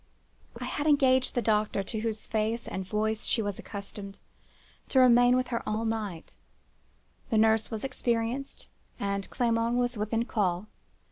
I had engaged the doctor, to whose face and voice she was accustomed, to remain with her all night: the nurse was experienced, and Clement was within call.